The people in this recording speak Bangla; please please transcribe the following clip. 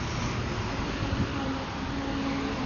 যতসব ফালতু বকবক।